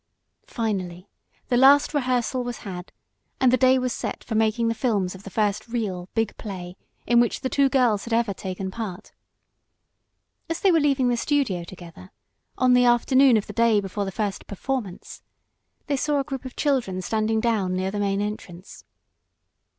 Finally the last rehearsal was had, and the day was set for making the films of the first real, big play in which the two girls had ever taken part. As they were leaving the studio together, on the afternoon of the day before the first "performance," they saw a group of children standing down near the main entrance.